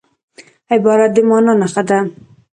عبارت د مانا نخښه ده.